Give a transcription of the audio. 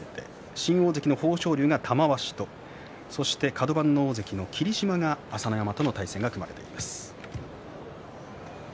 新大関の豊昇龍は玉鷲とそしてカド番大関の霧島が朝乃山との対戦が組まれています。